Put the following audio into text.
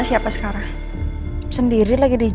mama harus balik lagi